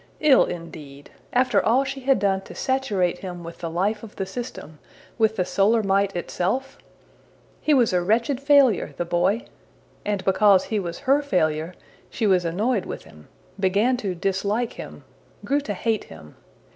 Ill, indeed! after all she had done to saturate him with the life of the system, with the solar might itself? He was a wretched failure, the boy! And because he was her failure, she was annoyed with him, began to dislike him, grew to hate him.